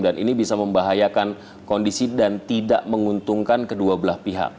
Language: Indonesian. dan ini bisa membahayakan kondisi dan tidak menguntungkan kedua belah pihak